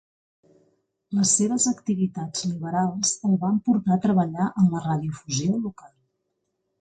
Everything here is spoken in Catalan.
Les seves activitats liberals el van portar a treballar en la radiodifusió local.